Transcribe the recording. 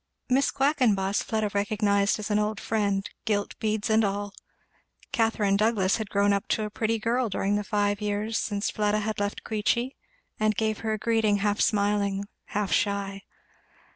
Miss Quackenboss Fleda recognised as an old friend, gilt beads and all. Catherine Douglass had grown up to a pretty girl during the five years since Fleda had left Queechy, and gave her a greeting half smiling, half shy.